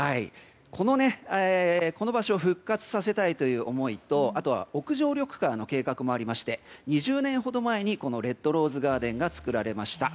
この場所を復活させたいという思いとあとは屋上緑化の計画もありまして２０年ほど前にこのレッドローズガーデンが造られました。